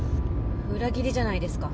裏切りじゃないですか。